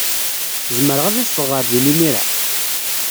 Zemreɣ ad adfeɣ ɣer din imir-a?